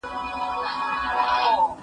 زه مخکي پاکوالي ساتلي وو؟